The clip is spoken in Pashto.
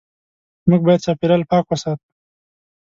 موږ باید چاپېریال پاک وساتو.